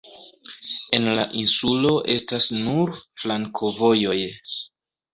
En la insulo estas nur flankovojoj.